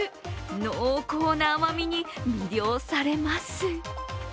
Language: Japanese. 濃厚な甘みに魅了されます。